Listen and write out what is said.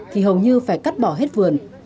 thì hầu như phải cắt bỏ hết vườn